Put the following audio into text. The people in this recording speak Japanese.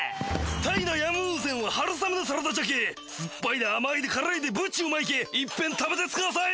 タイのヤムウンセンは春雨のサラダじゃけすっぱいで甘いで辛いでぶっちうまいけいっぺん食べてつかあさい。